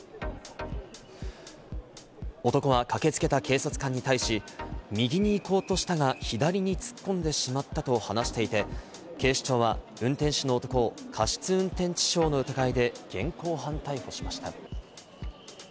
男は駆けつけた警察官に対し、右に行こうとしたが、左に突っ込んでしまったと話していて、警視庁は運転手の男を過失運転致傷の疑いで現行犯逮捕しました。